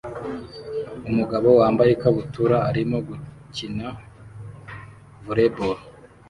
Umugabo wambaye ikabutura arimo gukina volley ball